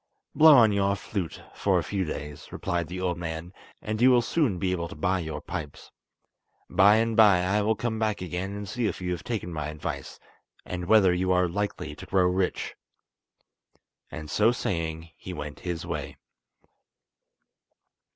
"Blow on your flute for a few days," replied the old man, "and you will soon be able to buy your pipes. By and by I will come back again and see if you have taken my advice, and whether you are likely to grow rich." And so saying he went his way.